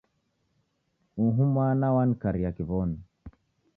Uhu mwana wanikaria kiw'onu.